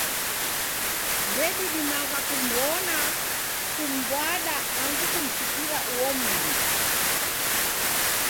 Ndedidimagha kum'mbona, kum'mbwada, angu kumsikira uo mndu.